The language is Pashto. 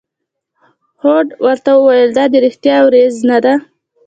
هود ورته وویل: دا د رحمت ورېځ نه ده.